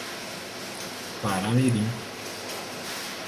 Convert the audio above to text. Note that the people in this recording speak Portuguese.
Paramirim